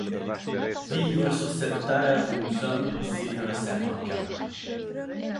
Vivre sur cette terre où nous sommes, c’est un serrement de cœur.